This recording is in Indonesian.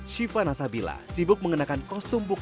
shiva nasabila sibuk mengenakan kostum buket